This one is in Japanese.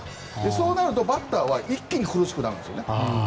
そうなるとバッターは苦しくなるんですね。